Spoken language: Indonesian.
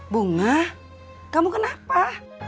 bunga kamu kenapa